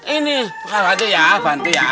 ini bantu ya bantu ya